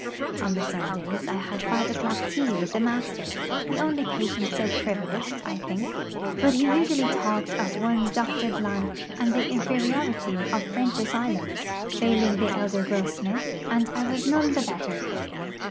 On the Sundays I had five o'clock tea with the Master the only patient so privileged, I think; but he usually talked of one Dr. Blanc and the inferiority of French asylums, failing the elder Grossmith, and I was none the better.